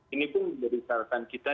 ini pun menceritakan kita